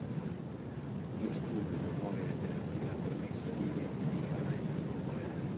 Lo studio dei nuovi reperti ha permesso di identificare il nuovo genere.